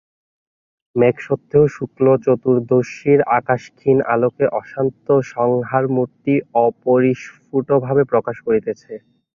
মেঘসত্ত্বেও শুক্লচতুর্দশীর আকাশ ক্ষীণ আলোকে অশান্ত সংহারমূর্তি অপরিস্ফুটভাবে প্রকাশ করিতেছে।